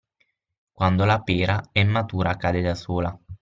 Quando la pera è matura, cade da sola.